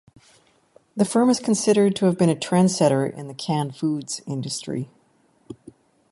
The firm is considered to have been a trendsetter in the canned-foods industry.